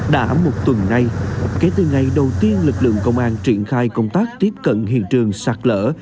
đã một tuần nay kể từ ngày đầu tiên lực lượng công an triển khai công tác tiếp cận hiện trường sạt lỡ